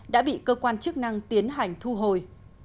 đã bị cơ quan chức năng tiến hành thu hồi